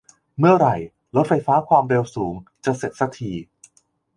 เมื่อไหร่รถไฟฟ้าความเร็วสูงจะเสร็จสักที